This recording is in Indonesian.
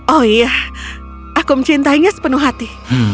oh iya aku mencintainya sepenuh hati